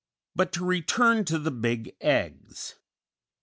But to return to the big eggs!